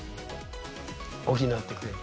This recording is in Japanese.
補ってくれる？